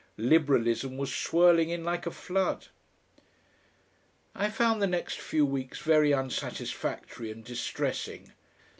Liberalism was swirling in like a flood.... I found the next few weeks very unsatisfactory and distressing.